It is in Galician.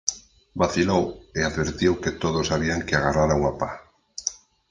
Vacilou, e advertiu que todos sabían que agarrara unha pa.